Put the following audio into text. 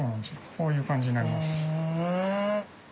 こういう感じになります。